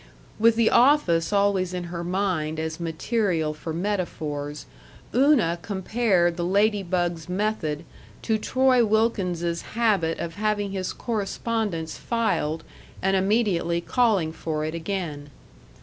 With the office always in her mind as material for metaphors, Una compared the lady bug's method to Troy Wilkins's habit of having his correspondence filed and immediately calling for it again.